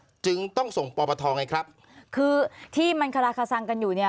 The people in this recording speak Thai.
จึงต้องส่งปปทไงครับคือที่มันคาราคาซังกันอยู่เนี่ย